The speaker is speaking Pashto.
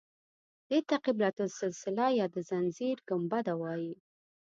دې ته قبة السلسله یا د زنځیر ګنبده وایي.